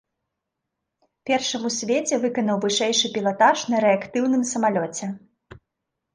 Першым у свеце выканаў вышэйшы пілатаж на рэактыўным самалёце.